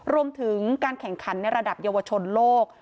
รวมถึงการแข่งขันในระดับเยาวชนโลก